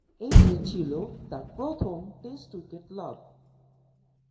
এটিই ছিল তার প্রথম টেস্ট উইকেট লাভ।